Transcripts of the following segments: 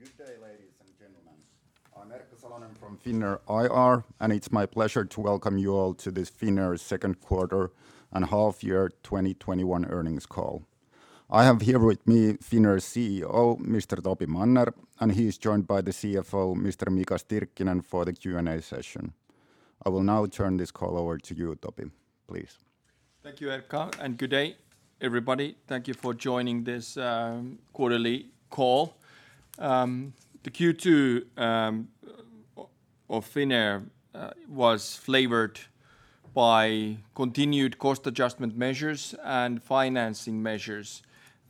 Good day, ladies and gentlemen. I'm Erkka Salonen from Finnair IR, and it's my pleasure to welcome you all to this Finnair second quarter and half year 2021 earnings call. I have here with me Finnair's CEO, Mr. Topi Manner, and he is joined by the CFO, Mr. Mika Stirkkinen, for the Q&A session. I will now turn this call over to you, Topi, please. Thank you, Erkka, and good day, everybody. Thank you for joining this quarterly call. The Q2 of Finnair was flavored by continued cost adjustment measures and financing measures.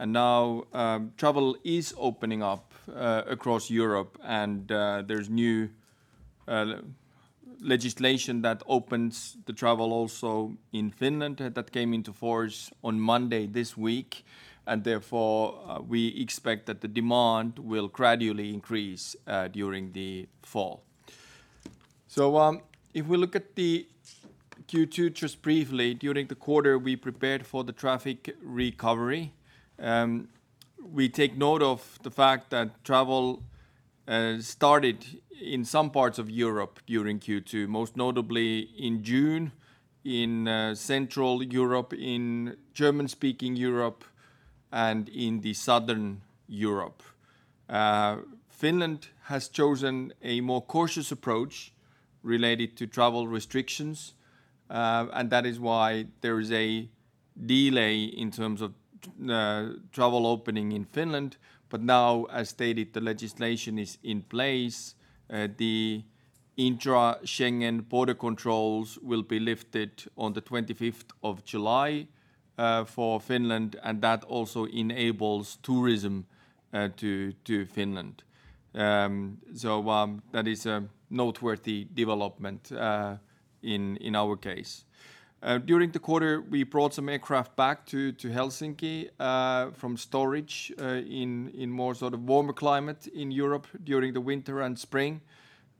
Now travel is opening up across Europe and there's new legislation that opens the travel also in Finland that came into force on Monday this week, and therefore, we expect that the demand will gradually increase during the fall. If we look at the Q2 just briefly, during the quarter, we prepared for the traffic recovery. We take note of the fact that travel started in some parts of Europe during Q2, most notably in June, in Central Europe, in German-speaking Europe, and in the Southern Europe. Finland has chosen a more cautious approach related to travel restrictions, and that is why there is a delay in terms of travel opening in Finland. Now, as stated, the legislation is in place. The intra-Schengen border controls will be lifted on the 25th of July for Finland, and that also enables tourism to Finland. That is a noteworthy development in our case. During the quarter, we brought some aircraft back to Helsinki, from storage in more sort of warmer climate in Europe during the winter and spring.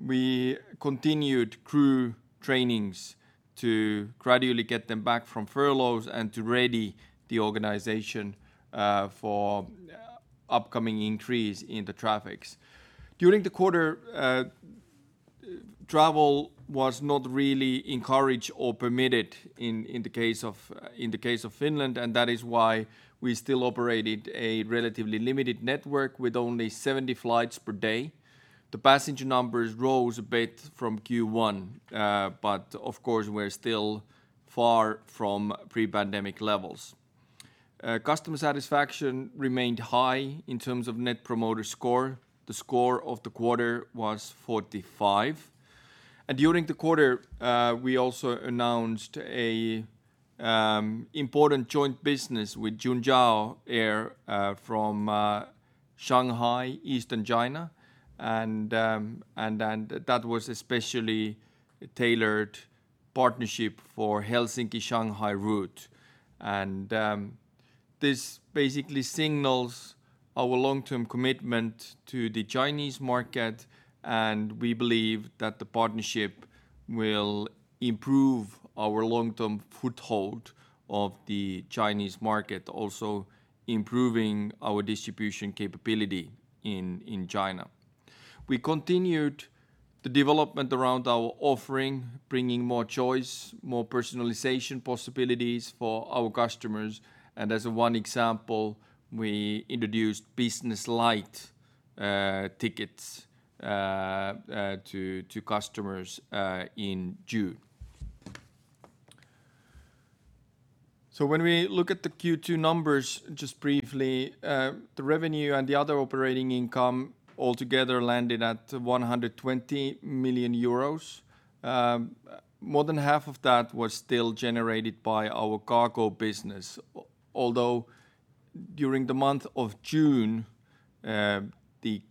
We continued crew trainings to gradually get them back from furloughs and to ready the organization for upcoming increase in the traffics. During the quarter, travel was not really encouraged or permitted in the case of Finland, and that is why we still operated a relatively limited network with only 70 flights per day. The passenger numbers rose a bit from Q1. Of course, we're still far from pre-pandemic levels. Customer satisfaction remained high in terms of Net Promoter Score. The score of the quarter was 45. During the quarter, we also announced a important joint business with Juneyao Air from Shanghai, Eastern China, and that was especially tailored partnership for Helsinki-Shanghai route. This basically signals our long-term commitment to the Chinese market, and we believe that the partnership will improve our long-term foothold of the Chinese market, also improving our distribution capability in China. We continued the development around our offering, bringing more choice, more personalization possibilities for our customers. As one example, we introduced Business Light tickets to customers in June. When we look at the Q2 numbers just briefly, the revenue and the other operating income altogether landed at 120 million euros. More than half of that was still generated by our cargo business. During the month of June, the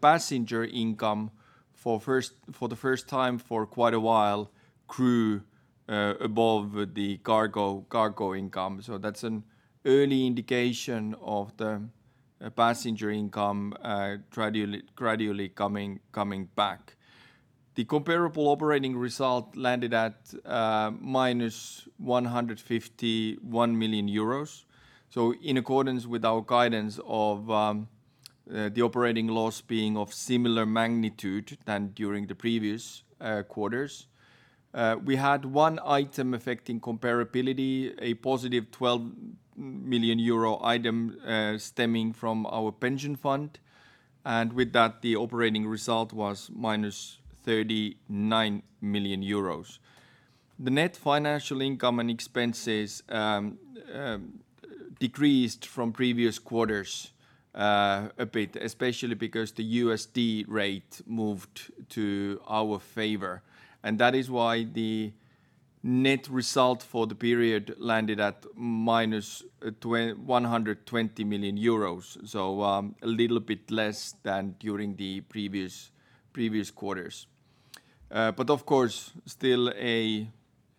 passenger income for the first time for quite a while grew above the cargo income. That's an early indication of the passenger income gradually coming back. The comparable operating result landed at minus 151 million euros. In accordance with our guidance of the operating loss being of similar magnitude than during the previous quarters. We had one item affecting comparability, a positive 12 million euro item stemming from our pension fund. With that, the operating result was -39 million euros. The net financial income and expenses decreased from previous quarters a bit, especially because the USD rate moved to our favor. That is why the net result for the period landed at minus 120 million euros. A little bit less than during the previous quarters. Of course, still a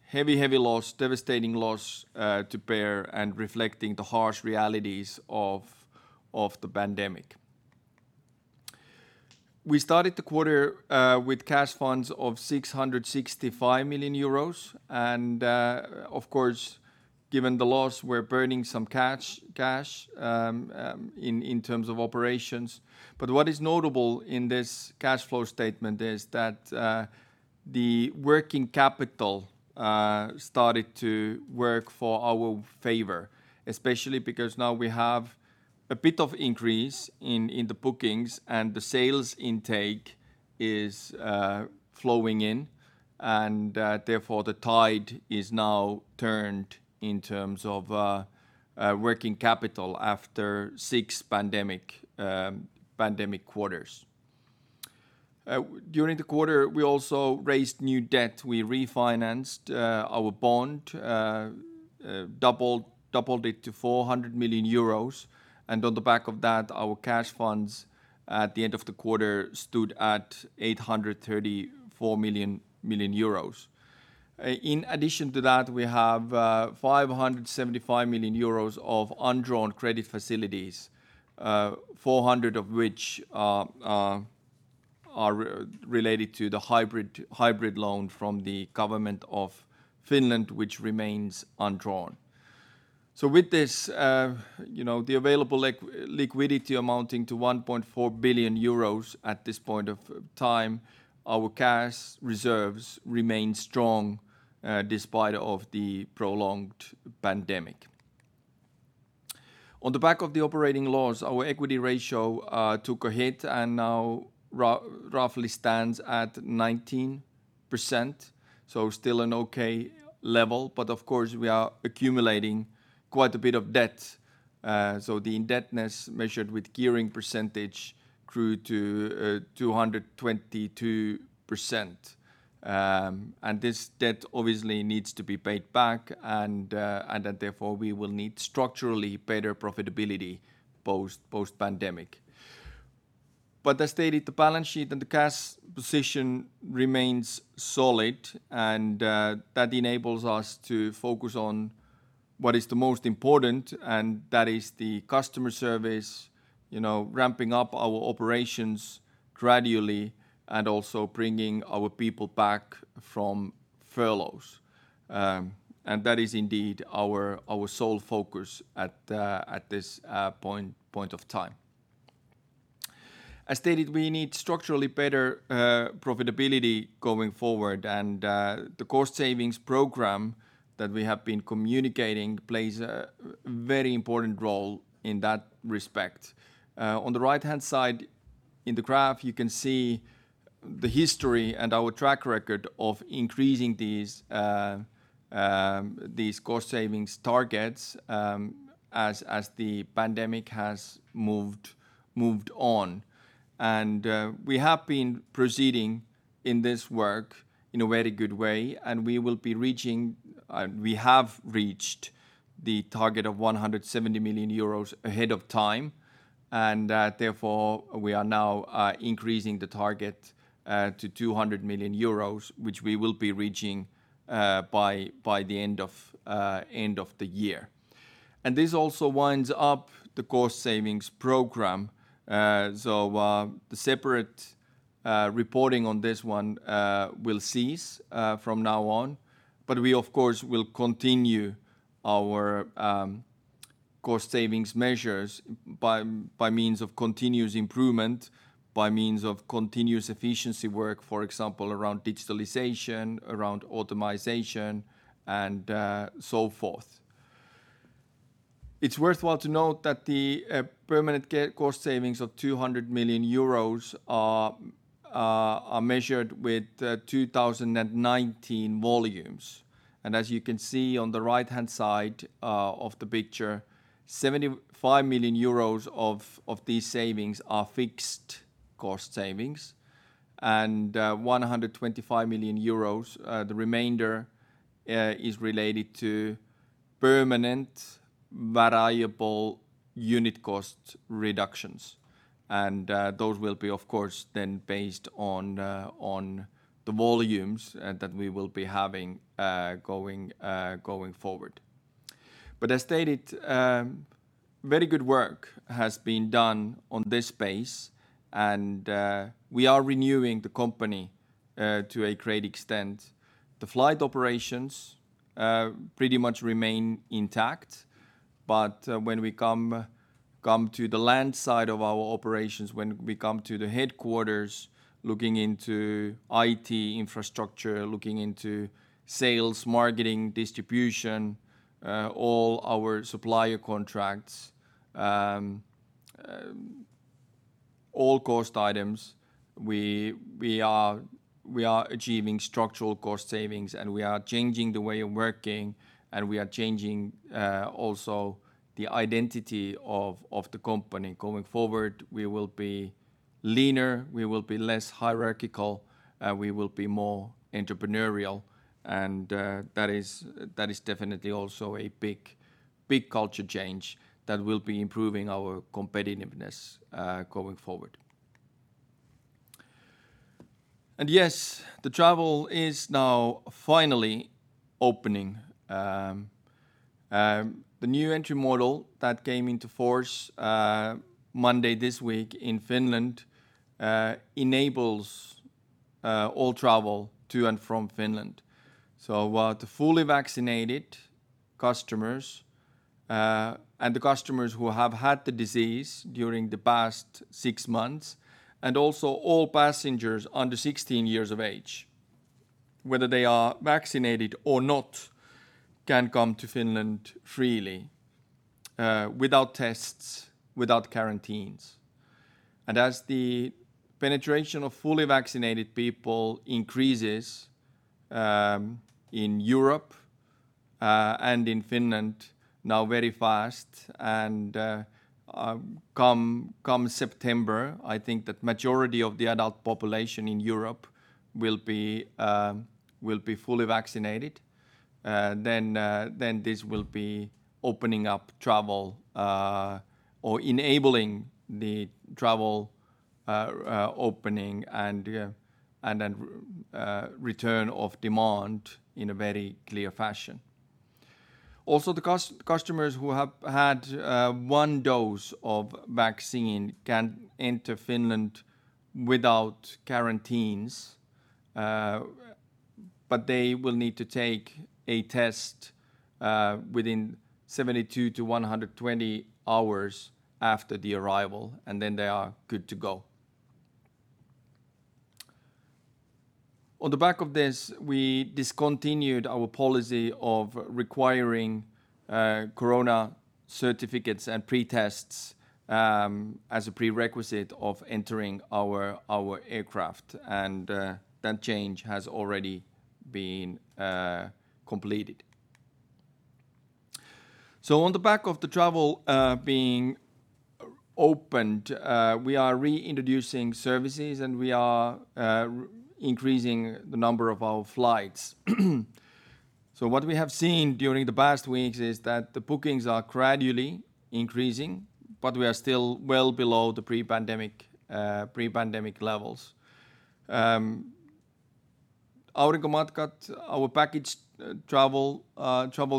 heavy loss, devastating loss to bear and reflecting the harsh realities of the pandemic. We started the quarter with cash funds of 665 million euros. Of course, given the loss, we're burning some cash in terms of operations. What is notable in this cash flow statement is that the working capital started to work for our favor, especially because now we have a bit of increase in the bookings and the sales intake is flowing in. Therefore the tide is now turned in terms of working capital after six pandemic quarters. During the quarter, we also raised new debt. We refinanced our bond, doubled it to 400 million euros, and on the back of that, our cash funds at the end of the quarter stood at 834 million euros. In addition to that, we have 575 million euros of undrawn credit facilities, 400 million of which are related to the hybrid loan from the government of Finland, which remains undrawn. With this, the available liquidity amounting to 1.4 billion euros at this point of time, our cash reserves remain strong despite of the prolonged pandemic. On the back of the operating loss, our equity ratio took a hit and now roughly stands at 19%. Still an okay level, but of course, we are accumulating quite a bit of debt. The indebtedness measured with gearing percentage grew to 222%. This debt obviously needs to be paid back and that therefore we will need structurally better profitability post-pandemic. As stated, the balance sheet and the cash position remains solid, that enables us to focus on what is the most important, and that is the customer service, ramping up our operations gradually and also bringing our people back from furloughs. That is indeed our sole focus at this point of time. As stated, we need structurally better profitability going forward, and the cost savings program that we have been communicating plays a very important role in that respect. On the right-hand side in the graph, you can see the history and our track record of increasing these cost savings targets as the pandemic has moved on. We have been proceeding in this work in a very good way, and we have reached the target of 170 million euros ahead of time. Therefore, we are now increasing the target to 200 million euros, which we will be reaching by the end of the year. This also winds up the cost savings program. The separate reporting on this one will cease from now on, but we of course will continue our cost savings measures by means of continuous improvement, by means of continuous efficiency work, for example, around digitalization, around automation and so forth. It's worthwhile to note that the permanent cost savings of 200 million euros are measured with 2019 volumes. As you can see on the right-hand side of the picture, 75 million euros of these savings are fixed cost savings and 125 million euros, the remainder, is related to permanent variable unit cost reductions. Those will be, of course, then based on the volumes that we will be having going forward. As stated, very good work has been done on this space, and we are renewing the company to a great extent. The flight operations pretty much remain intact. When we come to the land side of our operations, when we come to the headquarters looking into IT infrastructure, looking into sales, marketing, distribution, all our supplier contracts, all cost items, we are achieving structural cost savings, and we are changing the way of working, and we are changing also the identity of the company. Going forward, we will be leaner, we will be less hierarchical, we will be more entrepreneurial, and that is definitely also a big culture change that will be improving our competitiveness going forward. Yes, the travel is now finally opening. The new entry model that came into force Monday this week in Finland enables all travel to and from Finland. The fully vaccinated customers and the customers who have had the disease during the past six months, and also all passengers under 16 years of age, whether they are vaccinated or not, can come to Finland freely without tests, without quarantines. As the penetration of fully vaccinated people increases in Europe and in Finland now very fast, and come September, I think that majority of the adult population in Europe will be fully vaccinated, then this will be opening up travel or enabling the travel opening and then return of demand in a very clear fashion. The customers who have had one dose of vaccine can enter Finland without quarantines, but they will need to take a test within 72-120 hours after the arrival, and then they are good to go. On the back of this, we discontinued our policy of requiring corona certificates and pretests as a prerequisite of entering our aircraft, and that change has already been completed. On the back of the travel being opened, we are reintroducing services, and we are increasing the number of our flights. What we have seen during the past weeks is that the bookings are gradually increasing, but we are still well below the pre-pandemic levels. Aurinkomatkat, our package travel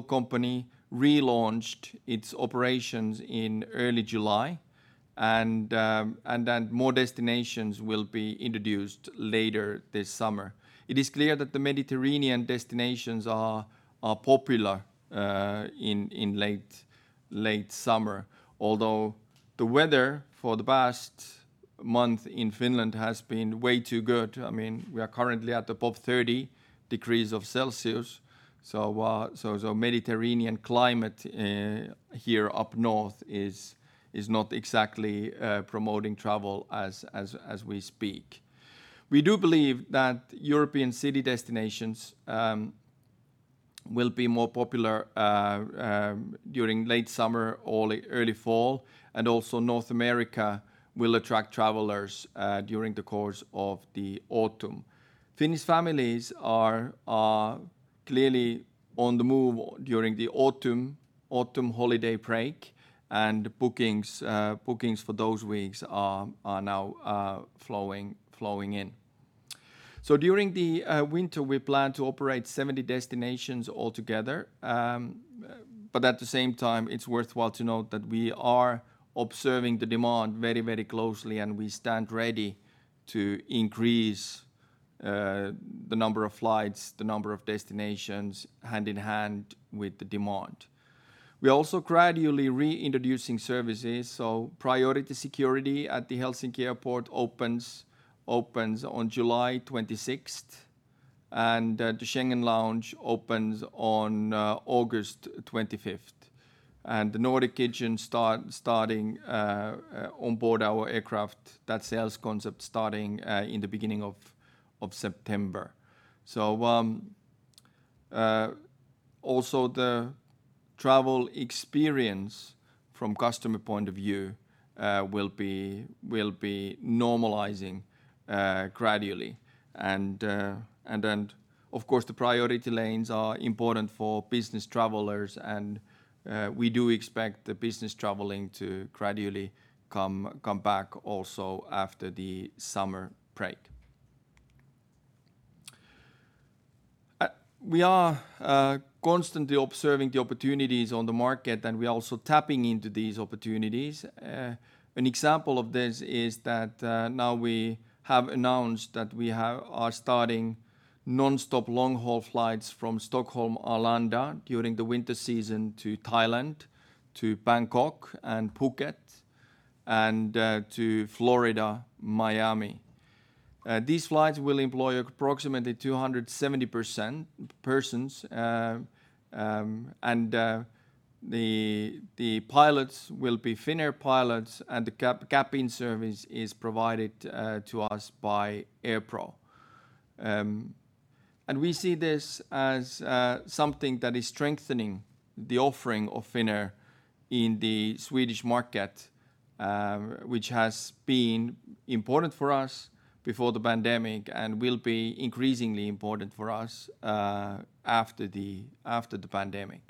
company, relaunched its operations in early July, and then more destinations will be introduced later this summer. It is clear that the Mediterranean destinations are popular in late summer, although the weather for the past month in Finland has been way too good. We are currently at above 30 degrees Celsius. Mediterranean climate here up north is not exactly promoting travel as we speak. We do believe that European city destinations will be more popular during late summer or early fall, and also North America will attract travelers during the course of the autumn. Finnish families are clearly on the move during the autumn holiday break, and bookings for those weeks are now flowing in. During the winter, we plan to operate 70 destinations altogether. At the same time, it's worthwhile to note that we are observing the demand very closely and we stand ready to increase the number of flights, the number of destinations hand in hand with the demand. We are also gradually reintroducing services, so priority security at the Helsinki Airport opens on July 26th, and the Schengen Lounge opens on August 25th. The Nordic Kitchen starting on board our aircraft, that sales concept starting in the beginning of September. Also the travel experience from customer point of view will be normalizing gradually. Then, of course, the priority lanes are important for business travelers, and we do expect the business traveling to gradually come back also after the summer break. We are constantly observing the opportunities on the market, and we are also tapping into these opportunities. An example of this is that now we have announced that we are starting nonstop long-haul flights from Stockholm, Arlanda, during the winter season to Thailand, to Bangkok, and Phuket, and to Florida, Miami. These flights will employ approximately 270 persons. The pilots will be Finnair pilots, and the cabin service is provided to us by Airpro. We see this as something that is strengthening the offering of Finnair in the Swedish market, which has been important for us before the pandemic and will be increasingly important for us after the pandemic.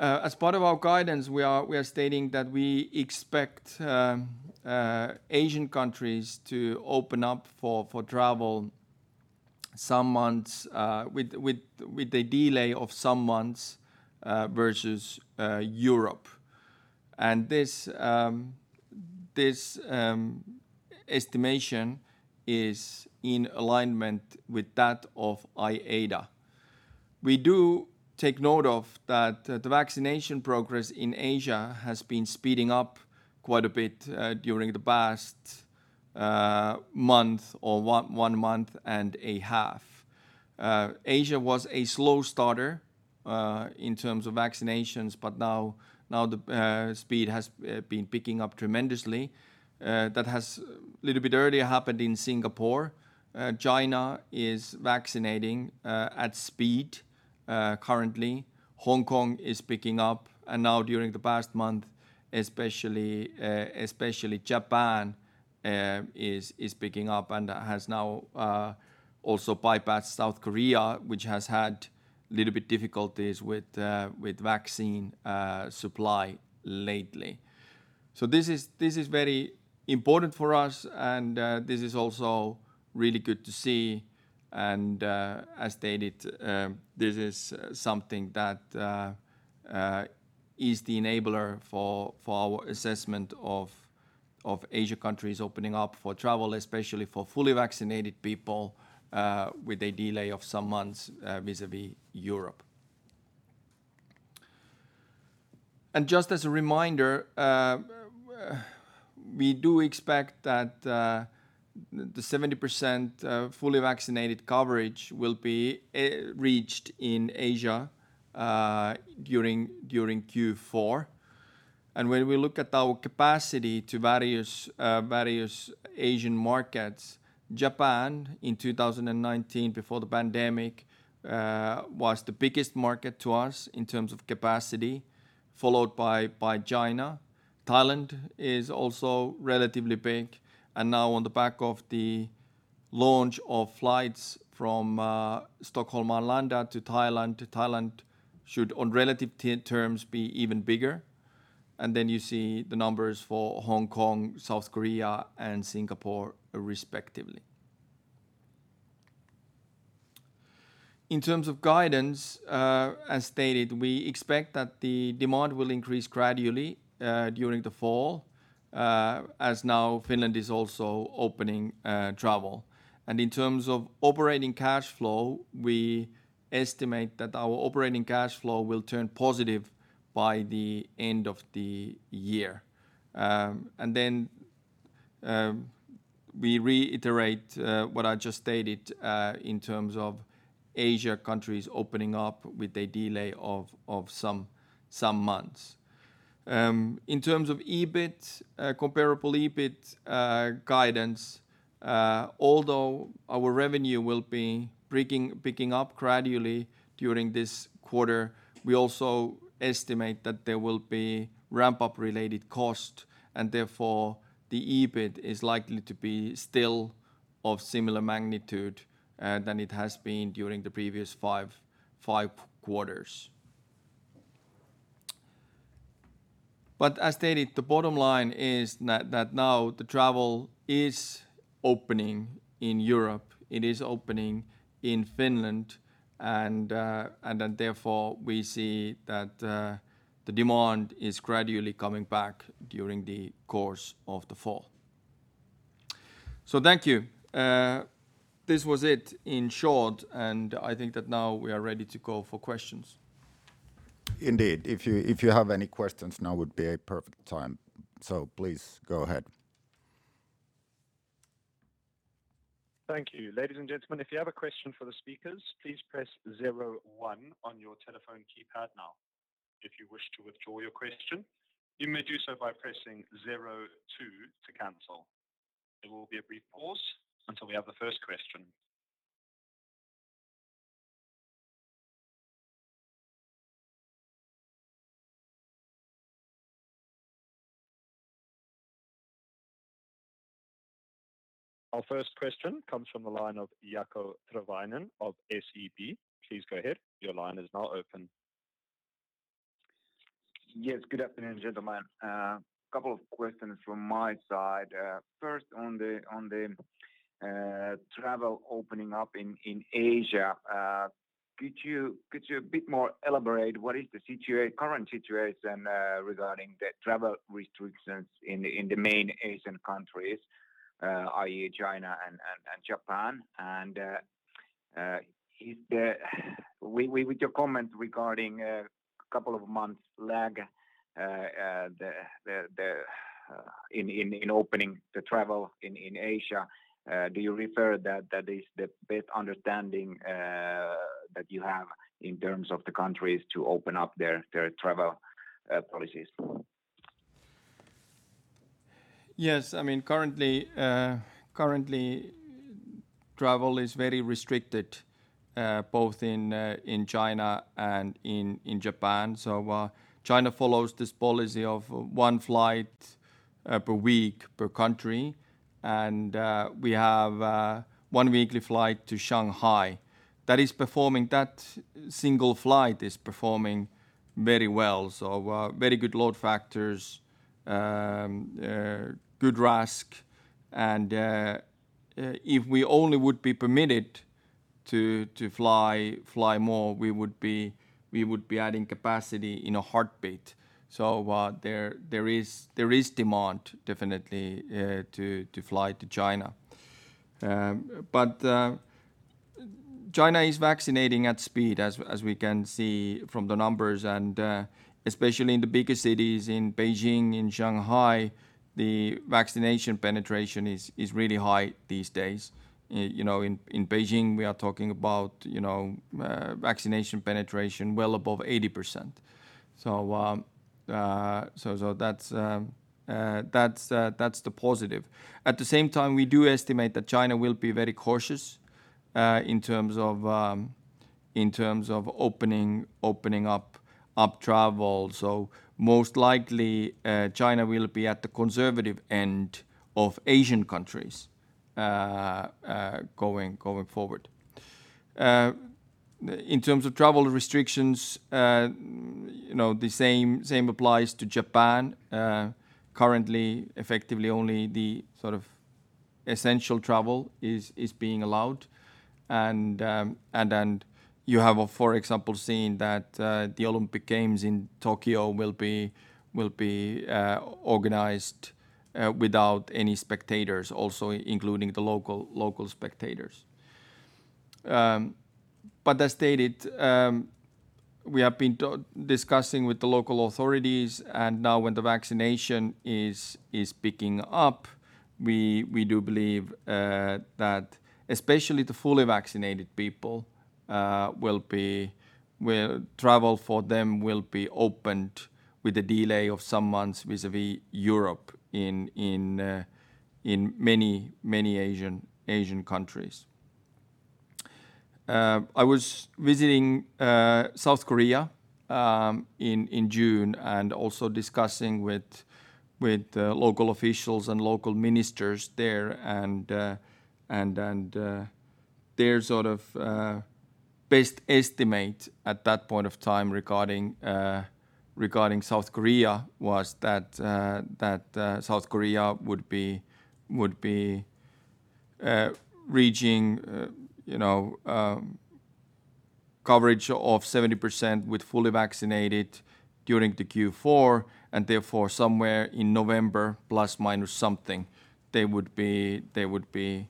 As part of our guidance, we are stating that we expect Asian countries to open up for travel with a delay of some months versus Europe. This estimation is in alignment with that of IATA. We do take note of that the vaccination progress in Asia has been speeding up quite a bit during the past month or one month and a half. Asia was a slow starter in terms of vaccinations, now the speed has been picking up tremendously. That has a little bit earlier happened in Singapore. China is vaccinating at speed currently. Hong Kong is picking up, and now during the past month, especially Japan is picking up and has now also bypassed South Korea, which has had a little bit difficulties with vaccine supply lately. This is very important for us and this is also really good to see. As stated, this is something that is the enabler for our assessment of Asia countries opening up for travel, especially for fully vaccinated people with a delay of some months vis-a-vis Europe. Just as a reminder, we do expect that the 70% fully vaccinated coverage will be reached in Asia during Q4. When we look at our capacity to various Asian markets, Japan in 2019 before the pandemic, was the biggest market to us in terms of capacity, followed by China. Now on the back of the launch of flights from Stockholm, Arlanda to Thailand should on relative terms be even bigger. You see the numbers for Hong Kong, South Korea, and Singapore respectively. In terms of guidance, as stated, we expect that the demand will increase gradually during the fall as now Finland is also opening travel. In terms of operating cash flow, we estimate that our operating cash flow will turn positive by the end of the year. We reiterate what I just stated in terms of Asia countries opening up with a delay of some months. In terms of comparable EBIT guidance, although our revenue will be picking up gradually during this quarter, we also estimate that there will be ramp-up related cost and therefore the EBIT is likely to be still of similar magnitude than it has been during the previous five quarters. As stated, the bottom line is that now the travel is opening in Europe. It is opening in Finland therefore we see that the demand is gradually coming back during the course of the fall. Thank you. This was it in short, and I think that now we are ready to go for questions. Indeed. If you have any questions, now would be a perfect time. Please go ahead. Thank you. Ladies and gentlemen, if you have a question for the speakers, please press zero one on your telephone keypad now. If you wish to withdraw your question, you may do so by pressing zero two to cancel. There will be a brief pause until we have the first question. Our first question comes from the line of Jaakko Tyrväinen of SEB. Please go ahead. Your line is now open. Yes, good afternoon, gentlemen. A couple of questions from my side. First on the travel opening up in Asia. Could you a bit more elaborate what is the current situation regarding the travel restrictions in the main Asian countries, i.e., China and Japan? With your comment regarding a couple of months lag in opening the travel in Asia, do you refer that is the best understanding that you have in terms of the countries to open up their travel policies? Yes. Currently, travel is very restricted both in China and in Japan. China follows this policy of one flight per week, per country, and we have one weekly flight to Shanghai. That single flight is performing very well. Very good load factors, good RASK, and if we only would be permitted to fly more, we would be adding capacity in a heartbeat. There is demand definitely to fly to China. China is vaccinating at speed as we can see from the numbers and especially in the bigger cities in Beijing, in Shanghai, the vaccination penetration is really high these days. In Beijing, we are talking about vaccination penetration well above 80%. That's the positive. At the same time, we do estimate that China will be very cautious in terms of opening up travel, so most likely China will be at the conservative end of Asian countries going forward. In terms of travel restrictions, the same applies to Japan. Currently, effectively, only the essential travel is being allowed and you have, for example, seen that the Olympic Games in Tokyo will be organized without any spectators also including the local spectators. As stated, we have been discussing with the local authorities, and now when the vaccination is picking up, we do believe that especially the fully vaccinated people, travel for them will be opened with a delay of some months vis-a-vis Europe in many Asian countries. I was visiting South Korea in June and also discussing with local officials and local ministers there, and their best estimate at that point of time regarding South Korea was that South Korea would be reaching coverage of 70% with fully vaccinated during the Q4, and therefore somewhere in November ± something, they would be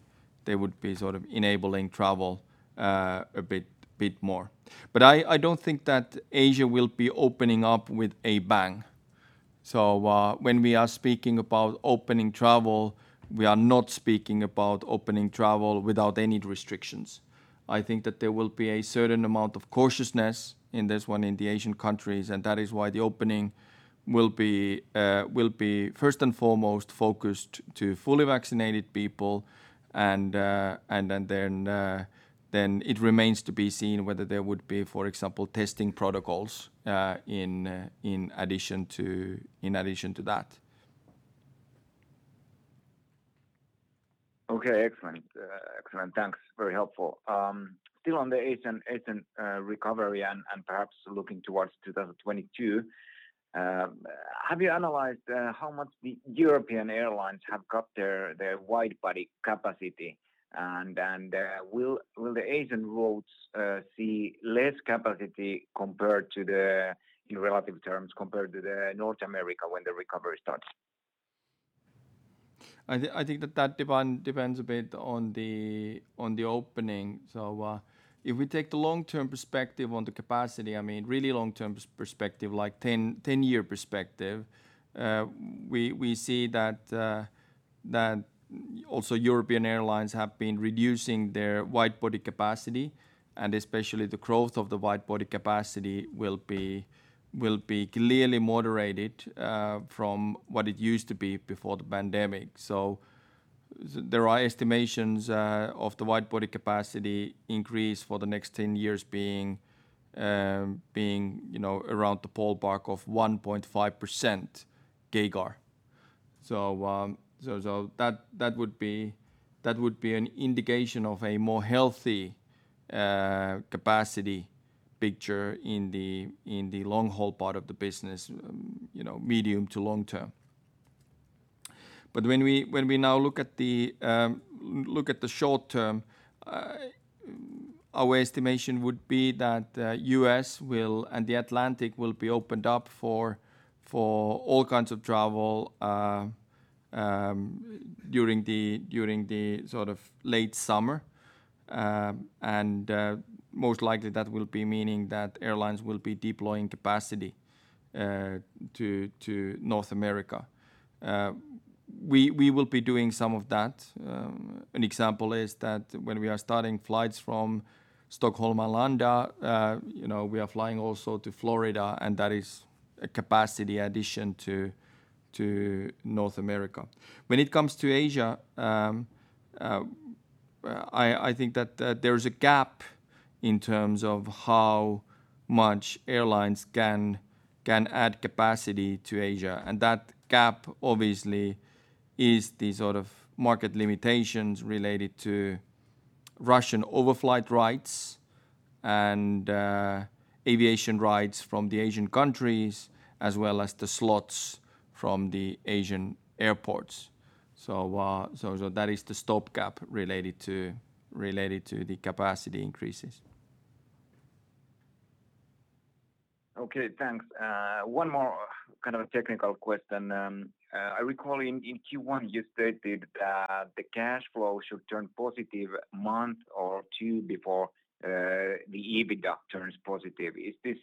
enabling travel a bit more. I don't think that Asia will be opening up with a bang. When we are speaking about opening travel, we are not speaking about opening travel without any restrictions. I think that there will be a certain amount of cautiousness in this one in the Asian countries, and that is why the opening will be first and foremost focused to fully vaccinated people and then it remains to be seen whether there would be, for example, testing protocols in addition to that. Okay, excellent. Thanks. Very helpful. Still on the Asian recovery and perhaps looking towards 2022, have you analyzed how much the European airlines have cut their wide-body capacity? Will the Asian routes see less capacity in relative terms compared to the North America when the recovery starts? I think that depends a bit on the opening. If we take the long-term perspective on the capacity, really long-term perspective like 10-year perspective, we see that also European airlines have been reducing their wide-body capacity, and especially the growth of the wide-body capacity will be clearly moderated from what it used to be before the pandemic. There are estimations of the wide-body capacity increase for the next 10 years being around the ballpark of 1.5% CAGR. That would be an indication of a more healthy capacity picture in the long-haul part of the business, medium to long-term. When we now look at the short-term, our estimation would be that U.S. and the Atlantic will be opened up for all kinds of travel during the late summer, and most likely that will be meaning that airlines will be deploying capacity to North America. We will be doing some of that. An example is that when we are starting flights from Stockholm, Arlanda, we are flying also to Florida, and that is a capacity addition to North America. When it comes to Asia, I think that there is a gap in terms of how much airlines can add capacity to Asia. That gap, obviously, is the market limitations related to Russian overflight rights and aviation rights from the Asian countries, as well as the slots from the Asian airports. That is the stopgap related to the capacity increases. Okay, thanks. One more kind of a technical question. I recall in Q1 you stated that the cash flow should turn positive a month or two before the EBITDA turns positive. Is this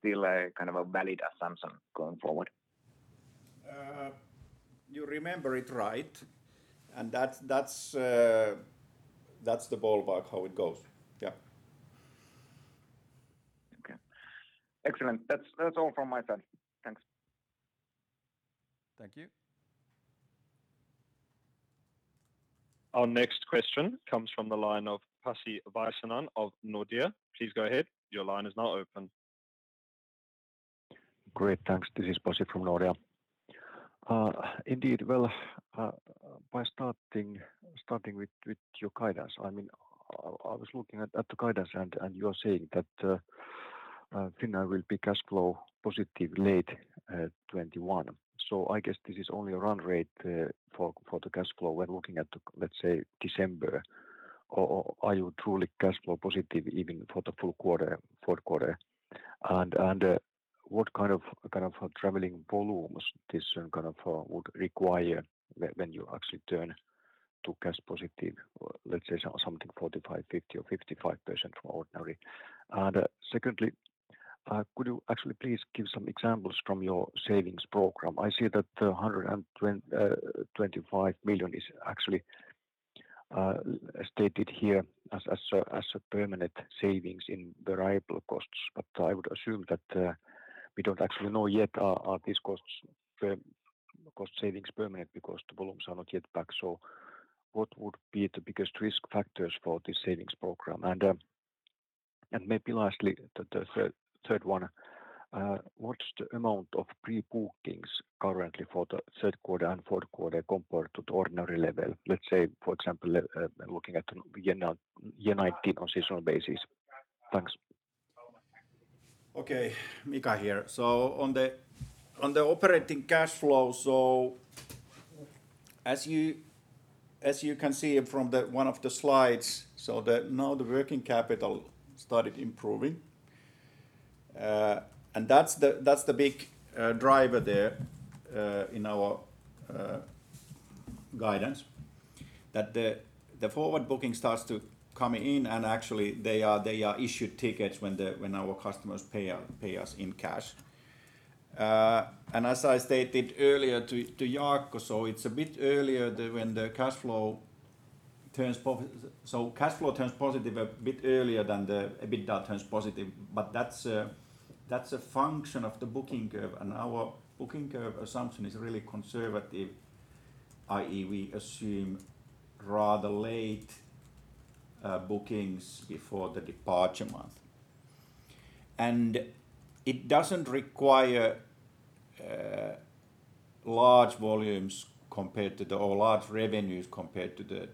still a valid assumption going forward? You remember it right, and that's the ballpark how it goes. Yeah. Okay. Excellent. That's all from my side. Thanks. Thank you. Our next question comes from the line of Pasi Väisänen of Nordea. Please go ahead. Your line is now open. Great, thanks. This is Pasi from Nordea. Indeed. Well, by starting with your guidance. I was looking at the guidance and you are saying that Finnair will be cash flow positive late 2021. I guess this is only a run rate for the cash flow when looking at, let's say, December, or are you truly cash flow positive even for the full fourth quarter? What kind of traveling volumes this kind of would require when you actually turn to cash positive, let's say something 45%, 50% or 55% from ordinary? Secondly, could you actually please give some examples from your savings program? I see that 125 million is actually stated here as a permanent savings in variable costs. I would assume that we don't actually know yet are these cost savings permanent because the volumes are not yet back. What would be the biggest risk factors for this savings program? Maybe lastly, the third one, what's the amount of pre-bookings currently for the third quarter and fourth quarter compared to the ordinary level? Let's say, for example, looking at a unaudited consolidated basis. Thanks. Mika here. On the operating cash flow, as you can see from one of the slides, now the working capital started improving. That is the big driver there in our guidance that the forward booking starts to come in and actually they are issued tickets when our customers pay us in cash. As I stated earlier to Jaakko, cash flow turns positive a bit earlier than the EBITDA turns positive. That is a function of the booking curve and our booking curve assumption is really conservative, i.e. we assume rather late bookings before the departure month. It does not require large revenues compared to the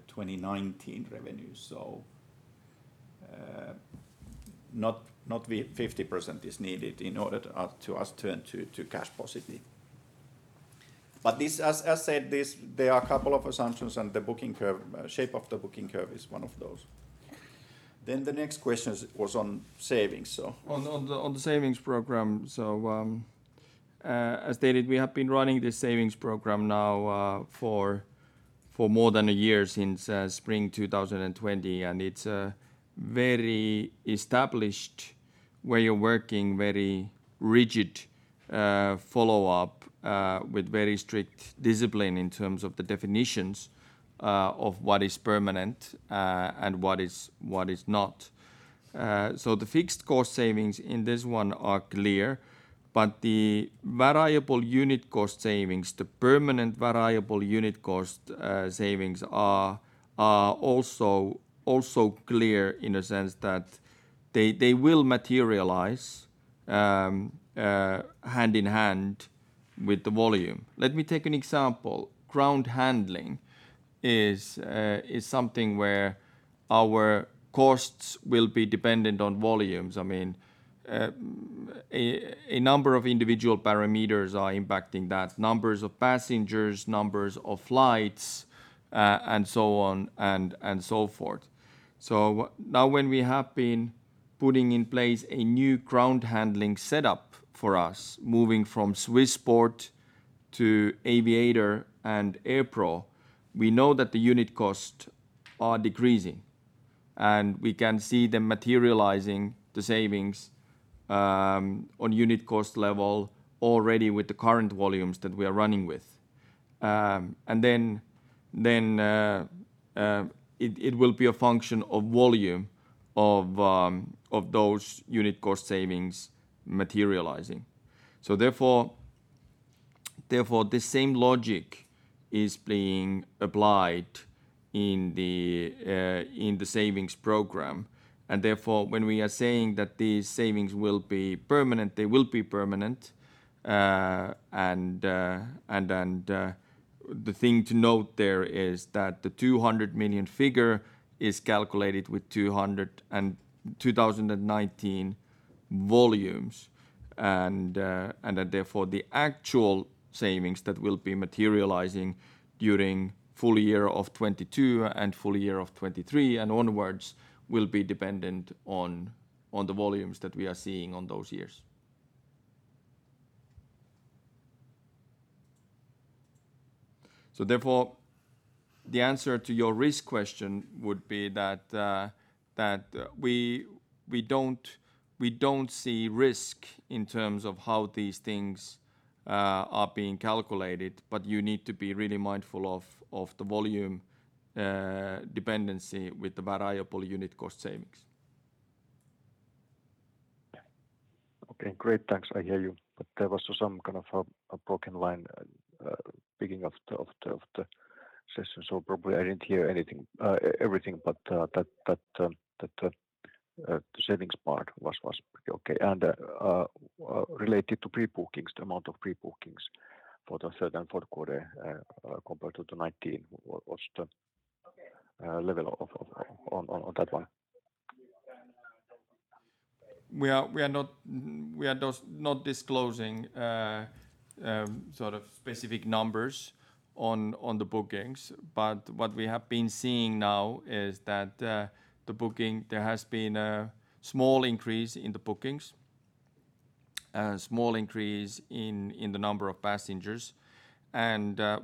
2019 revenues. Not 50% is needed in order to us turn to cash positive. As said, there are a couple of assumptions and the shape of the booking curve is one of those. The next question was on savings. On the savings program. As stated, we have been running this savings program now for more than a year, since spring 2020. It's very established way of working, very rigid follow-up with very strict discipline in terms of the definitions of what is permanent and what is not. The fixed cost savings in this one are clear, but the variable unit cost savings, the permanent variable unit cost savings are also clear in a sense that they will materialize hand in hand with the volume. Let me take an example. Ground handling is something where our costs will be dependent on volumes. A number of individual parameters are impacting that. Numbers of passengers, numbers of flights, and so on and so forth. Now when we have been putting in place a new ground handling setup for us, moving from Swissport to Aviator and Airpro, we know that the unit cost are decreasing and we can see them materializing the savings on unit cost level already with the current volumes that we are running with. It will be a function of volume of those unit cost savings materializing. Therefore, the same logic is being applied in the savings program. When we are saying that these savings will be permanent, they will be permanent. The thing to note there is that the 200 million figure is calculated with 2019 volumes. The actual savings that will be materializing during full year of 2022 and full year of 2023 and onwards will be dependent on the volumes that we are seeing on those years. Therefore, the answer to your risk question would be that we don't see risk in terms of how these things are being calculated, but you need to be really mindful of the volume dependency with the variable unit cost savings. Okay, great. Thanks. I hear you. There was some kind of a broken line at beginning of the session, so probably I didn't hear everything, but the savings part was pretty okay. Related to pre-bookings, the amount of pre-bookings for the third and fourth quarter compared to 2019. What's the level on that one? We are not disclosing specific numbers on the bookings, but what we have been seeing now is that there has been a small increase in the bookings, a small increase in the number of passengers.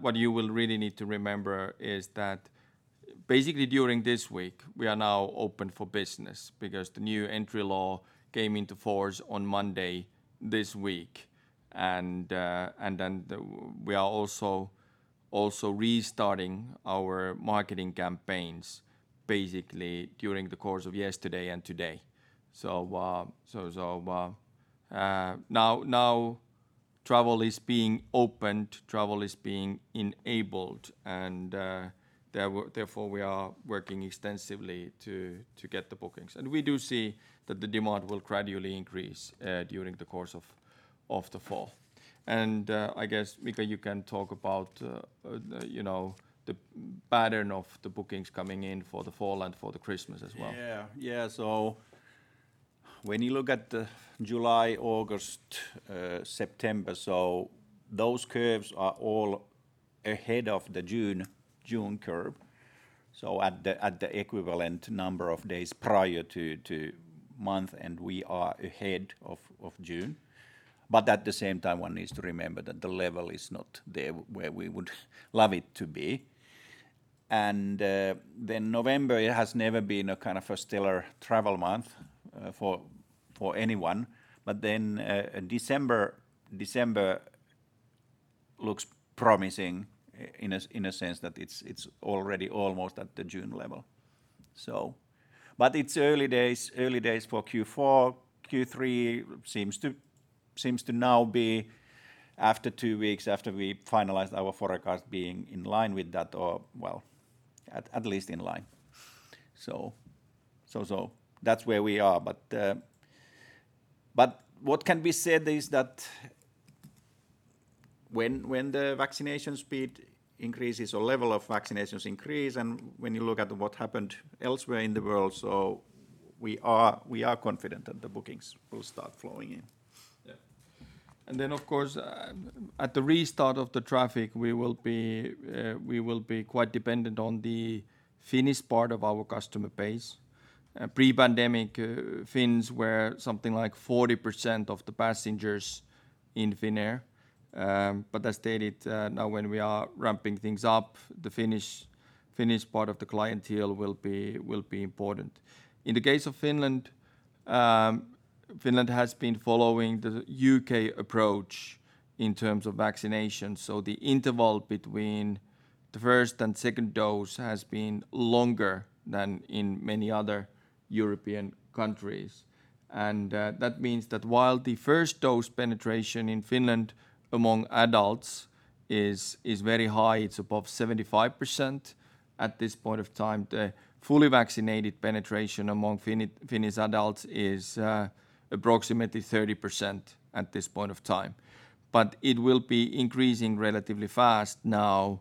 What you will really need to remember is that basically during this week, we are now open for business because the new entry law came into force on Monday this week. Then we are also restarting our marketing campaigns basically during the course of yesterday and today. Now travel is being opened, travel is being enabled, and therefore we are working extensively to get the bookings. We do see that the demand will gradually increase during the course of the fall. I guess, Mika, you can talk about the pattern of the bookings coming in for the fall and for the Christmas as well. Yeah. When you look at the July, August, September, so those curves are all ahead of the June curve. At the equivalent number of days prior to month and we are ahead of June. At the same time, one needs to remember that the level is not there where we would love it to be. November has never been a kind of a stellar travel month for anyone. December looks promising in a sense that it's already almost at the June level. It's early days for Q4. Q3 seems to now be after two weeks after we finalized our forecast being in line with that or, well, at least in line. That's where we are. What can be said is that when the vaccination speed increases or level of vaccinations increase, and when you look at what happened elsewhere in the world, so we are confident that the bookings will start flowing in. Then of course at the restart of the traffic, we will be quite dependent on the Finnish part of our customer base. Pre-pandemic Finns were something like 40% of the passengers in Finnair. As stated, now when we are ramping things up, the Finnish part of the clientele will be important. In the case of Finland has been following the U.K. approach in terms of vaccination. The interval between the first and second dose has been longer than in many other European countries. That means that while the first dose penetration in Finland among adults is very high, it's above 75% at this point of time, the fully vaccinated penetration among Finnish adults is approximately 30% at this point of time. It will be increasing relatively fast now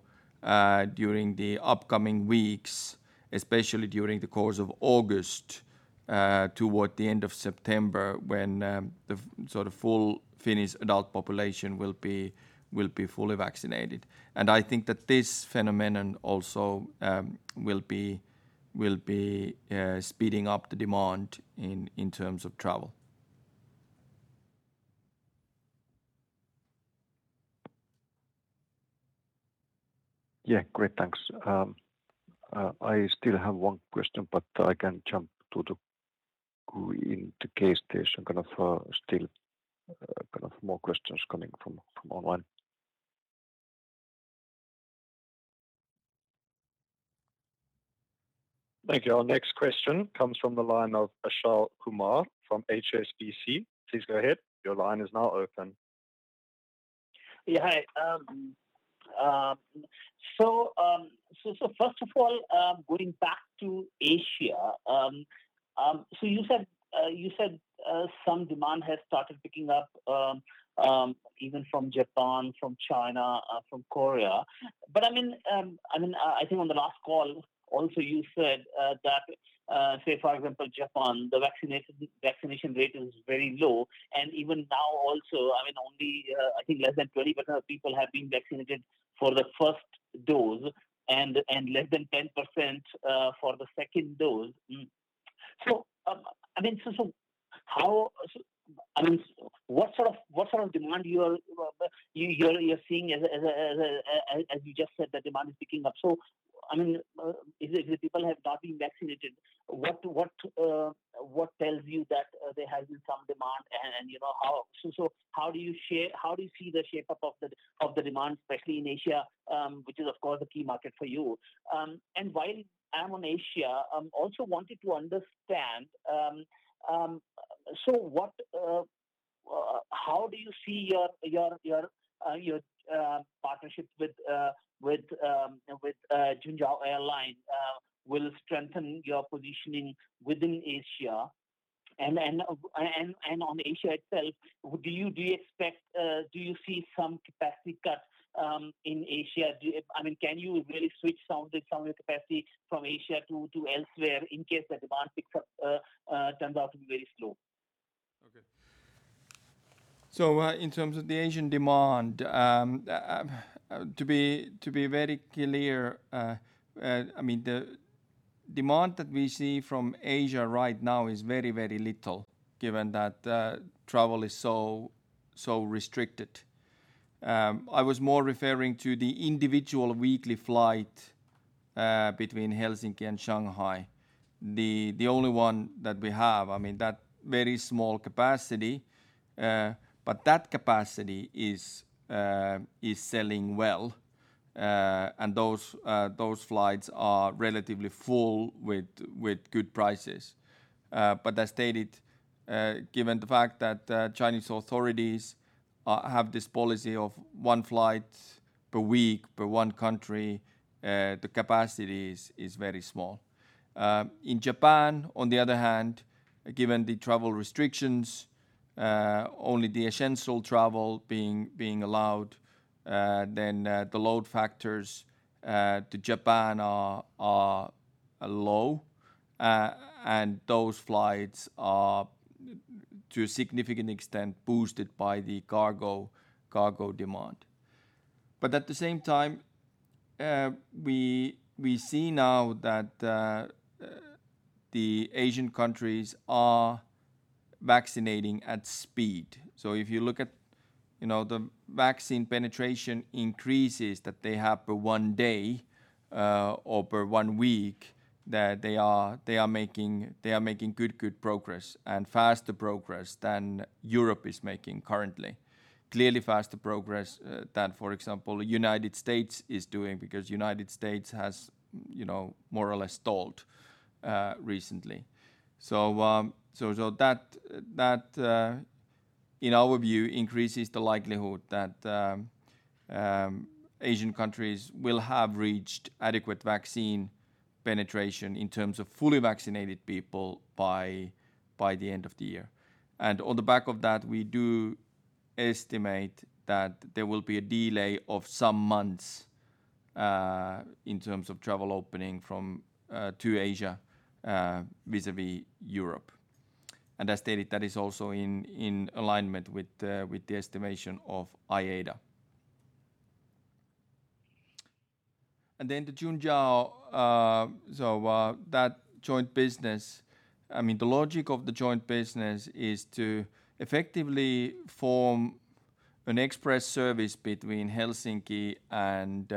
during the upcoming weeks, especially during the course of August toward the end of September when the sort of full Finnish adult population will be fully vaccinated. I think that this phenomenon also will be speeding up the demand in terms of travel. Yeah. Great. Thanks. I still have one question, but I can jump to in the case there is still more questions coming from online. Thank you. Our next question comes from the line of Achal Kumar from HSBC. Please go ahead. Your line is now open. Yeah. Hi. First of all, going back to Asia. You said some demand has started picking up even from Japan, from China, from Korea. I think on the last call also, you said that, say, for example, Japan, the vaccination rate is very low. Even now also, only I think less than 20% of people have been vaccinated for the first dose and less than 10% for the second dose. What sort of demand you're seeing as you just said that demand is picking up. If people have not been vaccinated, what tells you that there has been some demand, and how so? How do you see the shape up of the demand, especially in Asia, which is of course the key market for you? While I'm on Asia, also wanted to understand, how do you see your partnerships with Juneyao Air will strengthen your positioning within Asia? On Asia itself, do you see some capacity cuts in Asia? Can you really switch some of your capacity from Asia to elsewhere in case the demand picks up turns out to be very slow? In terms of the Asian demand, to be very clear, the demand that we see from Asia right now is very little given that travel is so restricted. I was more referring to the individual weekly flight between Helsinki and Shanghai, the only one that we have. That very small capacity, that capacity is selling well. Those flights are relatively full with good prices. As stated, given the fact that Chinese authorities have this policy of one flight per week per one country, the capacity is very small. In Japan on the other hand, given the travel restrictions, only the essential travel being allowed, the load factors to Japan are low. Those flights are to a significant extent boosted by the cargo demand. At the same time, we see now that the Asian countries are vaccinating at speed. If you look at the vaccine penetration increases that they have per one day or per one week, they are making good progress and faster progress than Europe is making currently. Clearly faster progress than, for example, United States is doing because United States has more or less stalled recently. That in our view increases the likelihood that Asian countries will have reached adequate vaccine penetration in terms of fully vaccinated people by the end of the year. On the back of that, we do estimate that there will be a delay of some months in terms of travel opening to Asia vis-a-vis Europe. As stated, that is also in alignment with the estimation of IATA. The Juneyao, so that joint business, the logic of the joint business is to effectively form an express service between Helsinki and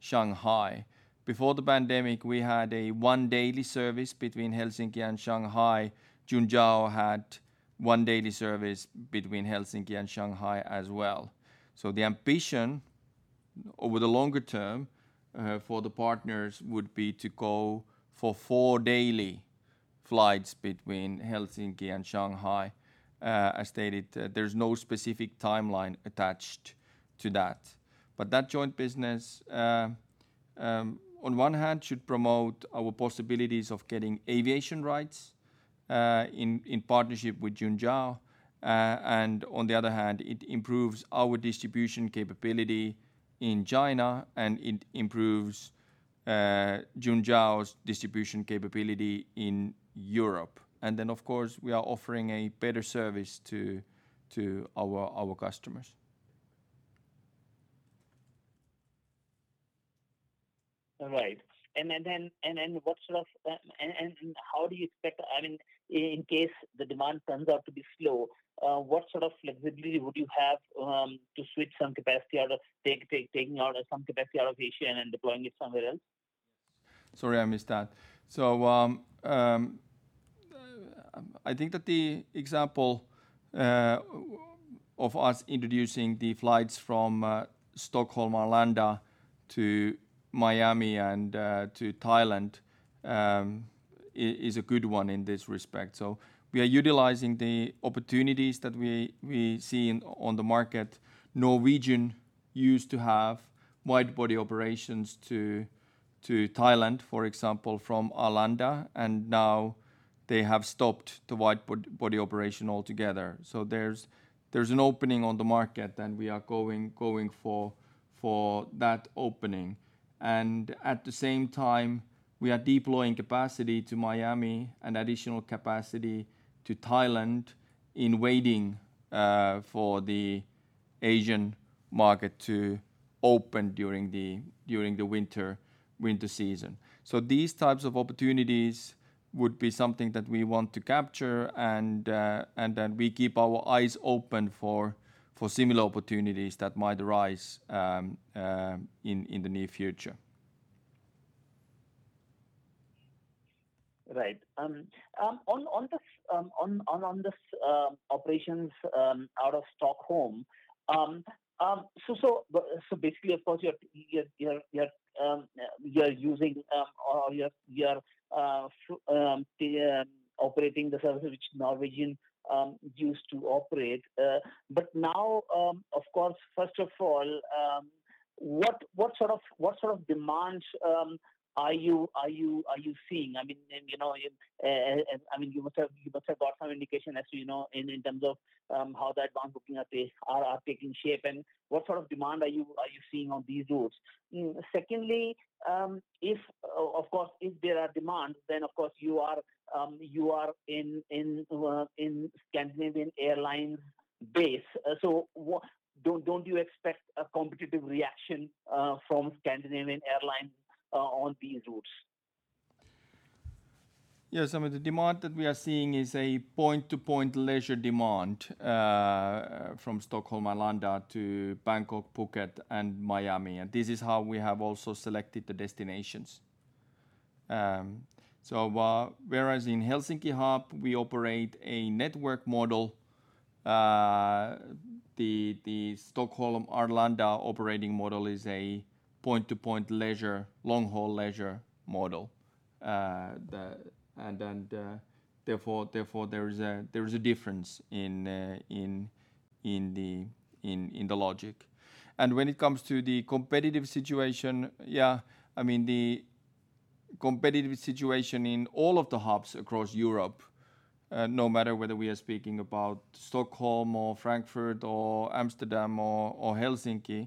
Shanghai. Before the pandemic, we had a one daily service between Helsinki and Shanghai. Juneyao had one daily service between Helsinki and Shanghai as well. The ambition over the longer term for the partners would be to go for four daily flights between Helsinki and Shanghai. As stated, there's no specific timeline attached to that. That joint business, on one hand should promote our possibilities of getting aviation rights in partnership with Juneyao. On the other hand, it improves our distribution capability in China, and it improves Juneyao's distribution capability in Europe. Then, of course, we are offering a better service to our customers. All right. How do you expect, in case the demand turns out to be slow, what sort of flexibility would you have to switch some capacity or taking out some capacity out of Asia and deploying it somewhere else? Sorry, I missed that. I think that the example of us introducing the flights from Stockholm Arlanda to Miami and to Thailand is a good one in this respect. Norwegian used to have wide-body operations to Thailand, for example, from Arlanda, and now they have stopped the wide-body operation altogether. There's an opening on the market, and we are going for that opening. At the same time, we are deploying capacity to Miami and additional capacity to Thailand in waiting for the Asian market to open during the winter season. These types of opportunities would be something that we want to capture and that we keep our eyes open for similar opportunities that might arise in the near future. Right. On this operations out of Stockholm, basically, of course, you are using or you are operating the services which Norwegian used to operate. Now, of course, first of all, what sort of demands are you seeing? You must have got some indication as you know in terms of how that booking are taking shape and what sort of demand are you seeing on these routes? Secondly, if there are demands, of course you are in Scandinavian Airlines base. Don't you expect a competitive reaction from Scandinavian Airlines on these routes? Yeah, some of the demand that we are seeing is a point-to-point leisure demand from Stockholm Arlanda to Bangkok, Phuket and Miami, and this is how we have also selected the destinations. Whereas in Helsinki hub we operate a network model, the Stockholm Arlanda operating model is a point-to-point leisure, long-haul leisure model. Therefore there is a difference in the logic. When it comes to the competitive situation, yeah, the competitive situation in all of the hubs across Europe, no matter whether we are speaking about Stockholm or Frankfurt or Amsterdam or Helsinki,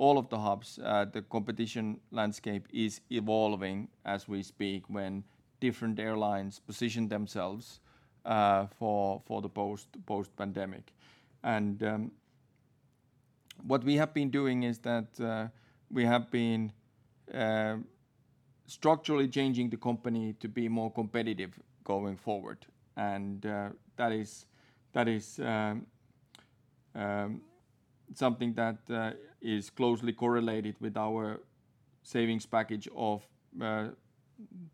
all of the hubs, the competition landscape is evolving as we speak when different airlines position themselves for the post-pandemic. What we have been doing is that we have been structurally changing the company to be more competitive going forward. That is something that is closely correlated with our savings package of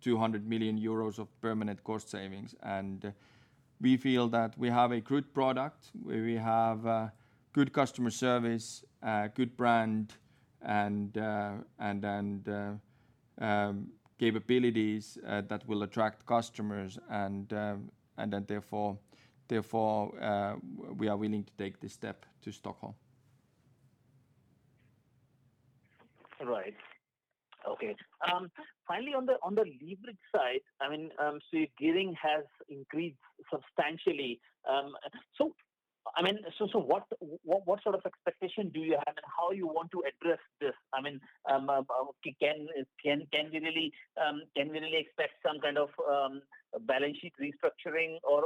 200 million euros of permanent cost savings. We feel that we have a good product, we have good customer service, good brand and capabilities that will attract customers and that therefore we are willing to take this step to Stockholm. Right. Okay. Finally, on the leverage side, gearing has increased substantially. What sort of expectation do you have and how you want to address this? Can we really expect some kind of balance sheet restructuring or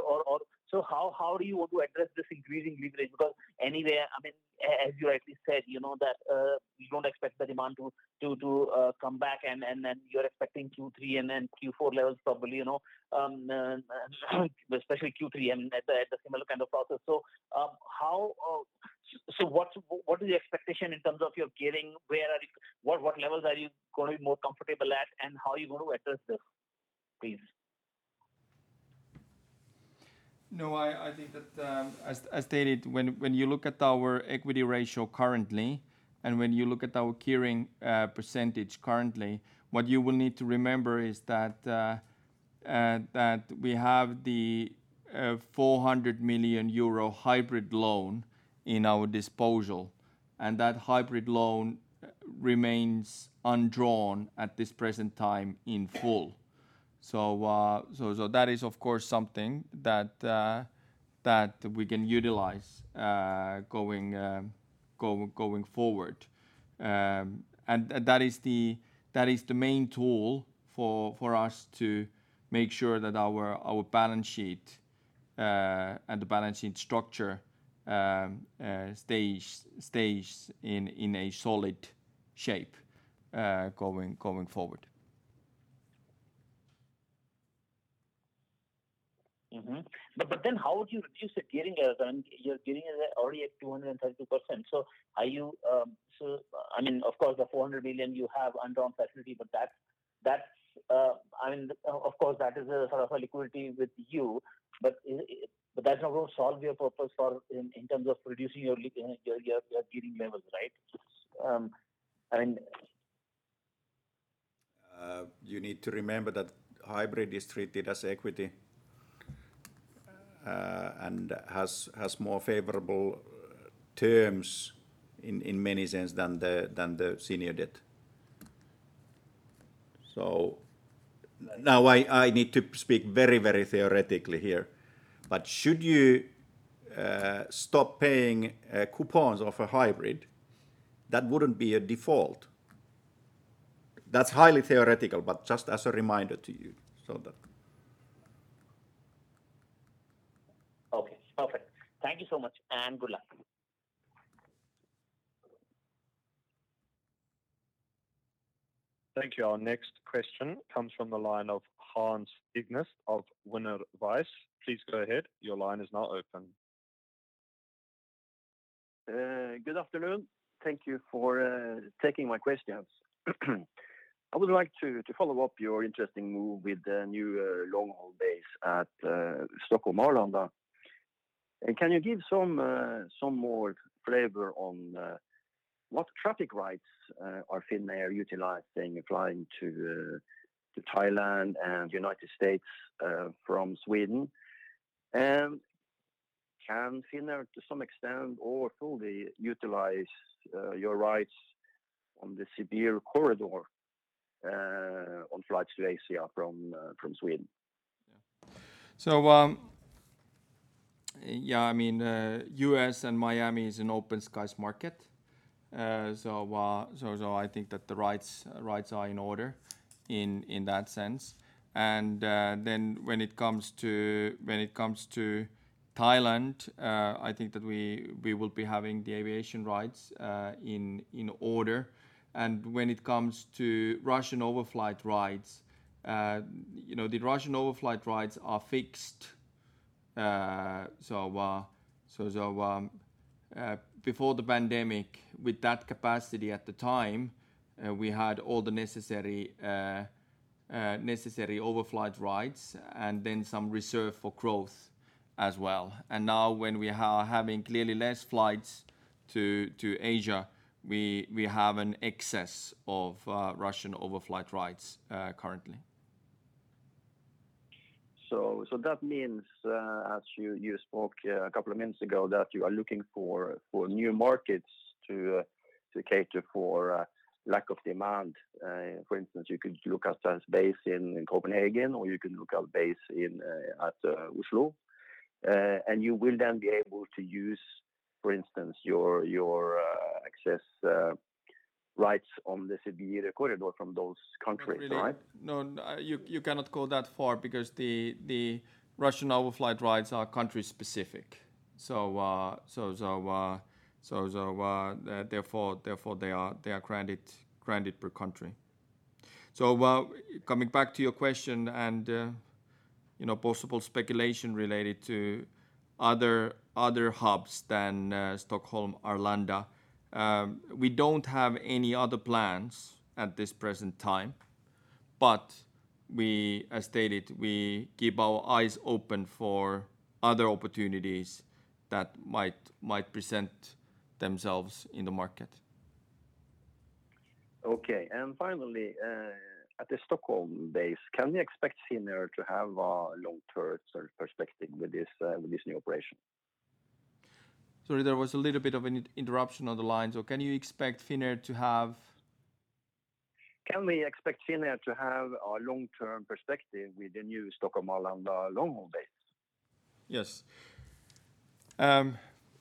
how do you want to address this increasing leverage? Anyway, as you rightly said, that you don't expect the demand to come back and then you're expecting Q3 and then Q4 levels probably, especially Q3 and at the similar kind of process. What is the expectation in terms of your gearing? What levels are you going to be more comfortable at and how are you going to address this, please? No, I think that as stated, when you look at our equity ratio currently and when you look at our gearing percentage currently, what you will need to remember is that we have the 400 million euro hybrid loan in our disposal, and that hybrid loan remains undrawn at this present time in full. That is, of course, something that we can utilize going forward. That is the main tool for us to make sure that our balance sheet and the balance sheet structure stays in a solid shape going forward. How would you reduce the gearing as your gearing is already at 222%? Of course, the 400 million you have undrawn facility, but that's of course that is a sort of a liquidity with you, but that's not going to solve your purpose in terms of reducing your gearing levels, right? You need to remember that hybrid is treated as equity, and has more favorable terms in many senses than the senior debt. Now I need to speak very theoretically here. Should you stop paying coupons of a hybrid, that wouldn't be a default. That's highly theoretical, but just as a reminder to you. Okay, perfect. Thank you so much, and good luck. Thank you. Our next question comes from the line of Hans Elnæs of WINAIR. Please go ahead. Your line is now open. Good afternoon. Thank you for taking my questions. I would like to follow up your interesting move with the new long-haul base at Stockholm Arlanda. Can you give some more flavor on what traffic rights are Finnair utilizing flying to Thailand and United States from Sweden? Can Finnair, to some extent or fully, utilize your rights on the Siberian corridor on flights to Asia from Sweden? Yeah. U.S. and Miami is an Open Skies market. I think that the rights are in order in that sense. When it comes to Thailand, I think that we will be having the aviation rights in order. When it comes to Russian overflight rights, the Russian overflight rights are fixed. Before the pandemic, with that capacity at the time, we had all the necessary overflight rights and then some reserve for growth as well. Now when we are having clearly less flights to Asia, we have an excess of Russian overflight rights currently. That means, as you spoke a couple of minutes ago, that you are looking for new markets to cater for lack of demand. For instance, you could look at base in Copenhagen, or you can look at base at Oslo. You will then be able to use, for instance, your excess rights on the Siberian corridor from those countries, right? No, you cannot go that far because the Russian overflight rights are country specific. Therefore they are granted per country. Coming back to your question and possible speculation related to other hubs than Stockholm Arlanda, we don't have any other plans at this present time. We, as stated, we keep our eyes open for other opportunities that might present themselves in the market. Okay. Finally, at the Stockholm base, can we expect Finnair to have a long-term sort of perspective with this new operation? Sorry, there was a little bit of an interruption on the line. Can you expect Finnair to have? Can we expect Finnair to have a long-term perspective with the new Stockholm Arlanda long-haul base? Yes.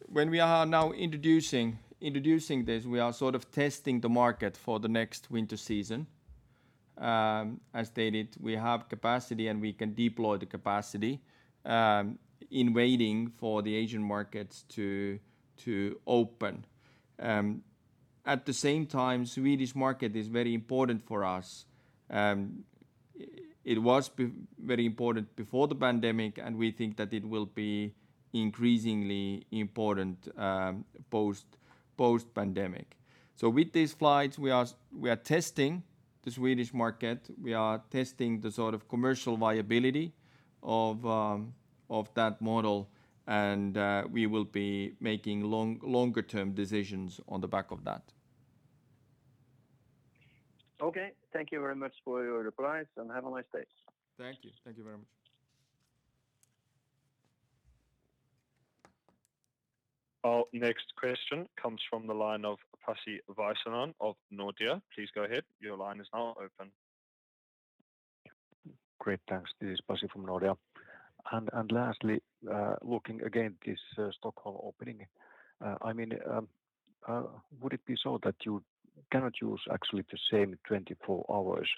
When we are now introducing this, we are sort of testing the market for the next winter season. As stated, we have capacity and we can deploy the capacity in waiting for the Asian markets to open. At the same time, Swedish market is very important for us. It was very important before the pandemic, and we think that it will be increasingly important post pandemic. With these flights, we are testing the Swedish market. We are testing the sort of commercial viability of that model, and we will be making longer-term decisions on the back of that. Okay. Thank you very much for your replies, and have a nice day. Thank you. Thank you very much. Our next question comes from the line of Pasi Väisänen of Nordea. Please go ahead. Your line is now open. Great, thanks. This is Pasi from Nordea. Lastly, looking again at this Stockholm opening, would it be so that you cannot use actually the same 24 hours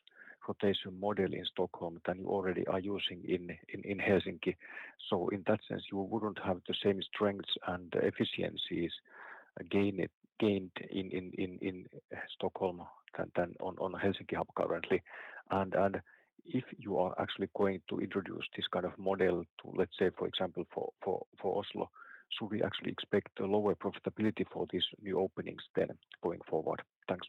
rotation model in Stockholm than you already are using in Helsinki? In that sense, you wouldn't have the same strengths and efficiencies gained in Stockholm than on Helsinki hub currently. If you are actually going to introduce this kind of model to, let's say, for example, for Oslo? Should we actually expect a lower profitability for these new openings then going forward? Thanks.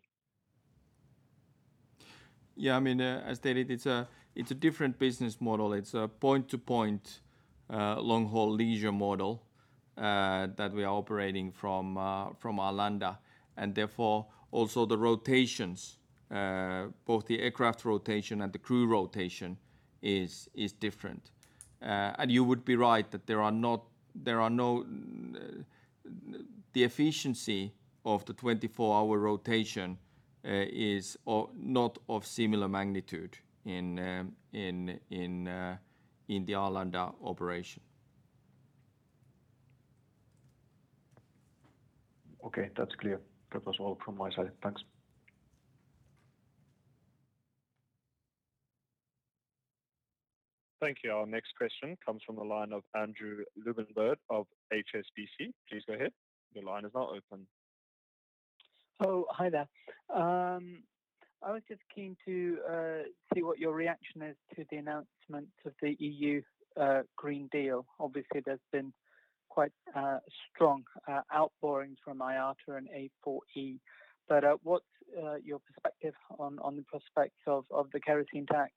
Yeah. As stated, it's a different business model. It's a point-to-point long-haul leisure model that we are operating from Arlanda, and therefore also the rotations, both the aircraft rotation and the crew rotation, is different. You would be right that the efficiency of the 24-hour rotation is not of similar magnitude in the Arlanda operation. Okay. That's clear. That was all from my side. Thanks. Thank you. Our next question comes from the line of Andrew Lobbenberg of HSBC. Please go ahead. Oh, hi there. I was just keen to see what your reaction is to the announcement of the European Green Deal. Obviously, there's been quite strong outpourings from IATA and A4E. What's your perspective on the prospects of the kerosene tax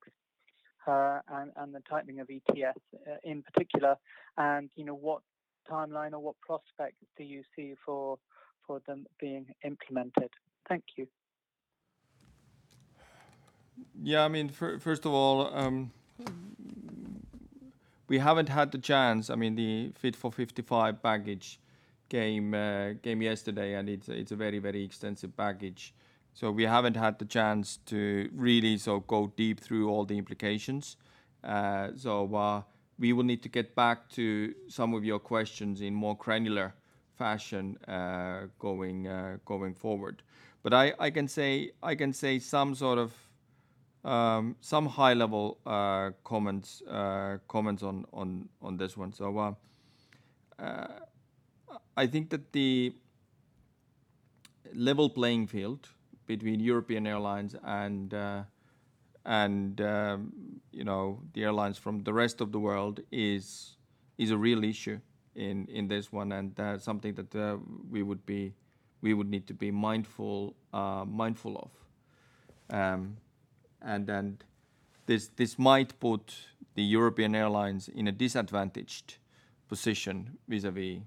and the tightening of ETS in particular, and what timeline or what prospects do you see for them being implemented? Thank you. Yeah. First of all, we haven't had the chance. The Fit for 55 package came yesterday, and it's a very extensive package. We haven't had the chance to really go deep through all the implications. We will need to get back to some of your questions in more granular fashion going forward. I can say some high-level comments on this one. I think that the level playing field between European airlines and the airlines from the rest of the world is a real issue in this one, and something that we would need to be mindful of. This might put the European airlines in a disadvantaged position vis-a-vis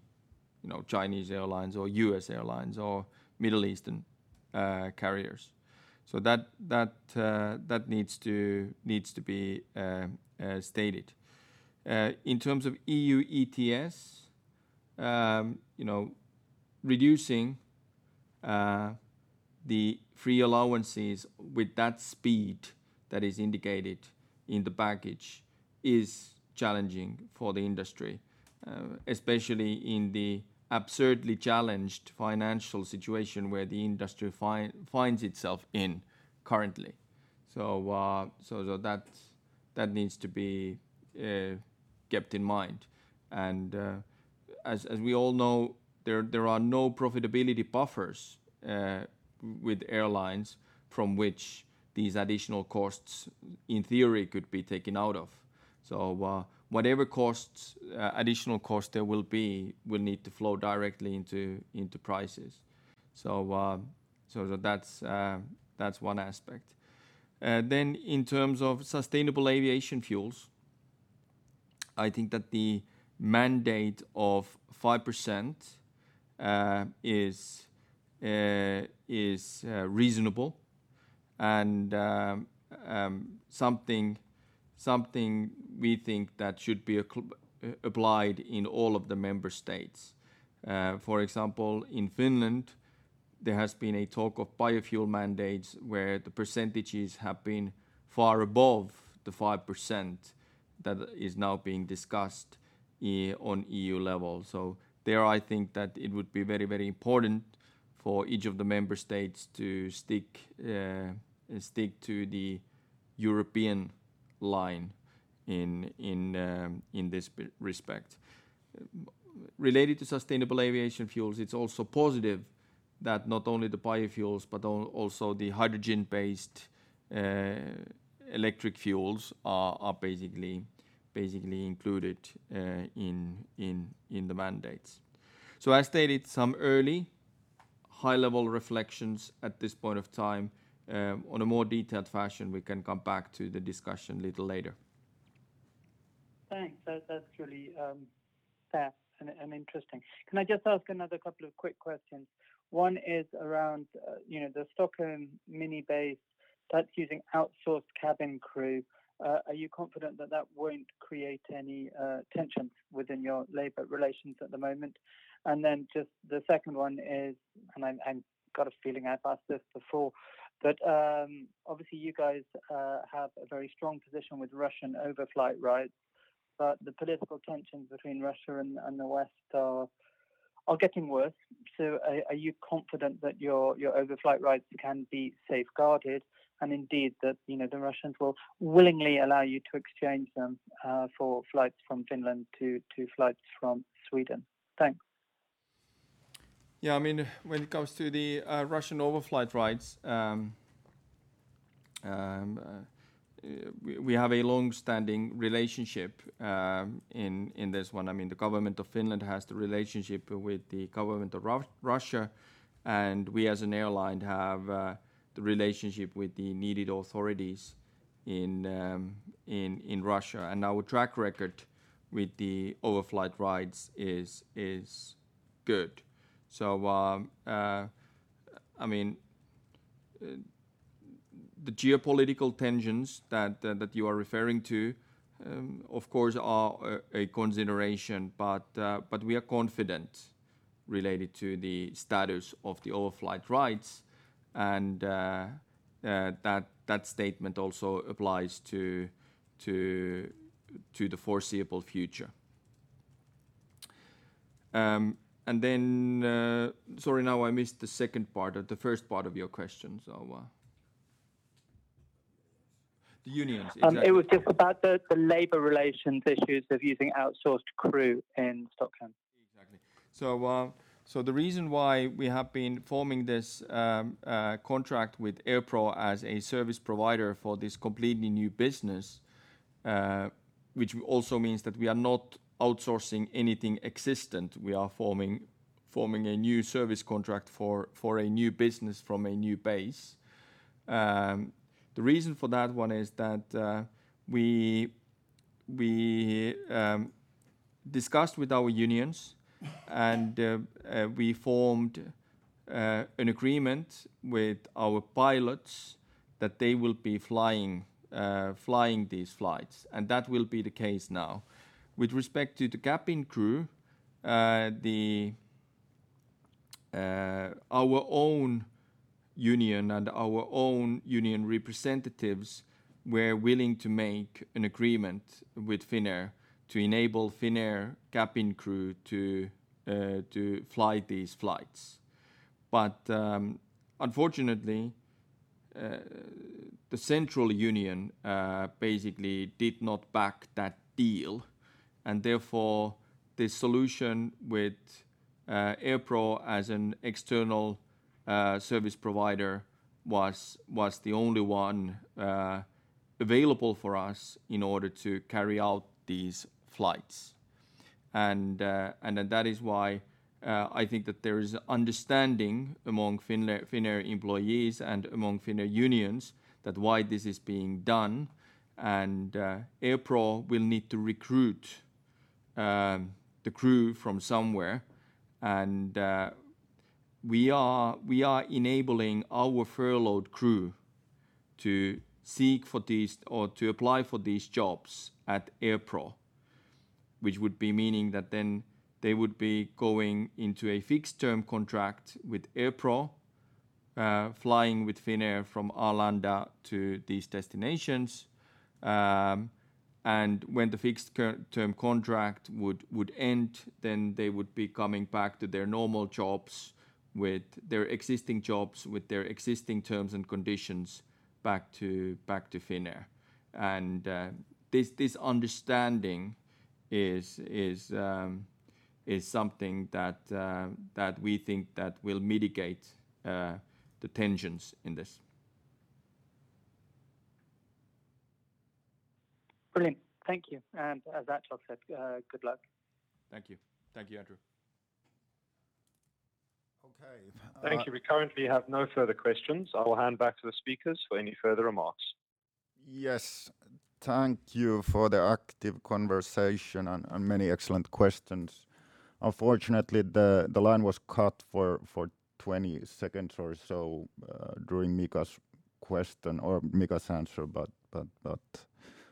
Chinese airlines or U.S. airlines or Middle Eastern carriers. That needs to be stated. In terms of EU ETS, reducing the free allowances with that speed that is indicated in the package is challenging for the industry, especially in the absurdly challenged financial situation where the industry finds itself in currently. That needs to be kept in mind. As we all know, there are no profitability buffers with airlines from which these additional costs, in theory, could be taken out of. Whatever additional cost there will be, will need to flow directly into prices. That's one aspect. In terms of sustainable aviation fuels, I think that the mandate of 5% is reasonable and something we think that should be applied in all of the member states. For example, in Finland, there has been a talk of biofuel mandates where the percentages have been far above the 5% that is now being discussed on EU level. There, I think that it would be very important for each of the member states to stick to the European line in this respect. Related to sustainable aviation fuels, it's also positive that not only the biofuels, but also the hydrogen-based electric fuels are basically included in the mandates. I stated some early high-level reflections at this point of time. On a more detailed fashion, we can come back to the discussion a little later. Thanks. That's truly fair and interesting. Can I just ask another couple of quick questions? One is around the Stockholm mini base that's using outsourced cabin crew. Are you confident that that won't create any tensions within your labor relations at the moment? The second one is, I've got a feeling I've asked this before, but obviously you guys have a very strong position with Russian overflight rights. The political tensions between Russia and the West are getting worse. Are you confident that your Russian overflight rights can be safeguarded and indeed that the Russians will willingly allow you to exchange them for flights from Finland to flights from Sweden? Thanks. Yeah, when it comes to the Russian overflight rights, we have a long-standing relationship in this one. The government of Finland has the relationship with the government of Russia, and we as an airline have the relationship with the needed authorities in Russia. Our track record with the overflight rights is good. The geopolitical tensions that you are referring to, of course, are a consideration, but we are confident related to the status of the overflight rights and that statement also applies to the foreseeable future. Sorry, now I missed the first part of your question. The unions. Exactly. It was just about the labor relations issues of using outsourced crew in Stockholm. Exactly. The reason why we have been forming this contract with Airpro as a service provider for this completely new business, which also means that we are not outsourcing anything existent, we are forming a new service contract for a new business from a new base. The reason for that one is that we discussed with our unions and we formed an agreement with our pilots that they will be flying these flights, and that will be the case now. With respect to the cabin crew our own union and our own union representatives were willing to make an agreement with Finnair to enable Finnair cabin crew to fly these flights. Unfortunately, the central union basically did not back that deal, and therefore the solution with Airpro as an external service provider was the only one available for us in order to carry out these flights. That is why I think that there is understanding among Finnair employees and among Finnair unions that why this is being done and Airpro will need to recruit the crew from somewhere. We are enabling our furloughed crew to seek for these or to apply for these jobs at Airpro, which would be meaning that then they would be going into a fixed-term contract with Airpro, flying with Finnair from Arlanda to these destinations. When the fixed-term contract would end, they would be coming back to their normal jobs with their existing jobs, with their existing terms and conditions back to Finnair. This understanding is something that we think that will mitigate the tensions in this. Brilliant. Thank you. As Achal said good luck. Thank you. Thank you, Andrew. Okay. Thank you. We currently have no further questions. I will hand back to the speakers for any further remarks. Yes. Thank you for the active conversation and many excellent questions. Unfortunately, the line was cut for 20 seconds or so during Mika's answer,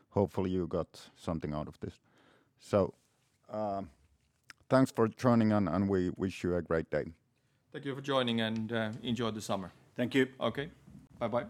hopefully you got something out of this. Thanks for joining and we wish you a great day. Thank you for joining and enjoy the summer. Thank you. Okay. Bye-bye.